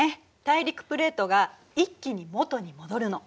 大陸プレートが一気に元に戻るの。